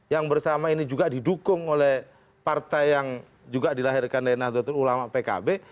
yang bersama ini juga didukung oleh partai yang juga dilahirkan dari nahdlatul ulama pkb